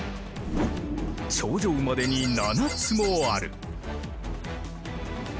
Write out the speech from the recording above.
頂上までに７つもある。